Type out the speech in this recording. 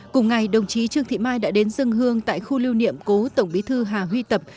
cùng ngày đồng chí trương thị mai đã đến dân hương tại khu lưu niệm cố tổng bí thư hà huy tập